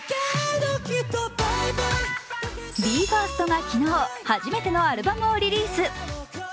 ＢＥ：ＦＩＲＳＴが昨日、初めてのアルバムをリリース。